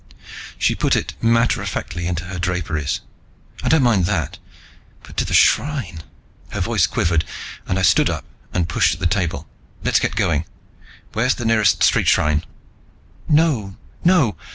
She put it matter of factly into her draperies. "I don't mind that. But to the shrine " Her voice quivered, and I stood up and pushed at the table. "Let's get going. Where's the nearest street shrine?" "No, no!